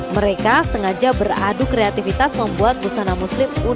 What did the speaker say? mereka sengaja beradu kreatifitas membuat busana muslim unik dari sampah